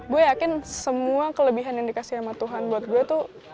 gue yakin semua kelebihan yang dikasih sama tuhan buat gue tuh